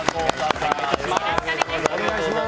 よろしくお願いします。